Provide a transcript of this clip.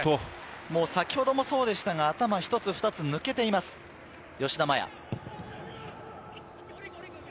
先ほどもそうでしたが、頭１つ２つ抜けています、吉田麻也。